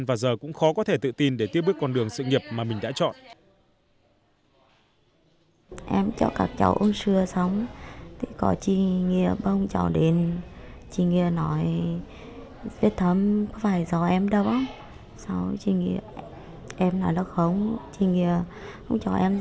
và giờ cũng khó có thể tự tin để tiếp bước con đường sự nghiệp mà mình đã chọn